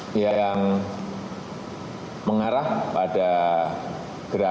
mengasihbarkan rasa hormat kepada ga unggulan